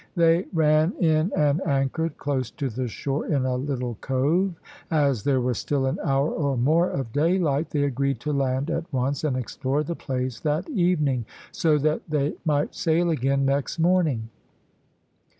They ran in and anchored close to the shore in a little cove. As there was still an hour or more of daylight they agreed to land at once, and explore the place that evening, so that they might sail again next morning.